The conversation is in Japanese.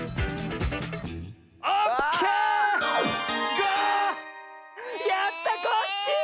５！やったコッシー！